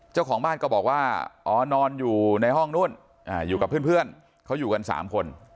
เจ้าของบ้านก็บอกว่าอ๋อนอนอยู่ในห้องนู้นอยู่กับเพื่อนเขาอยู่กัน๓คน